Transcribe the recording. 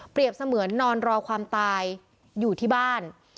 เสมือนนอนรอความตายอยู่ที่บ้าน